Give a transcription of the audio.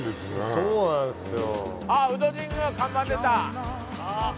そうなんすよ。